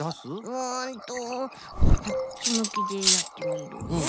うんとこっちむきでやってみるよ。